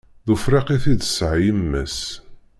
D ufrik i t-id-tesɛa yemma s.